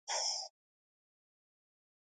هیلې مې د انتظار په تل کې ښخې شوې.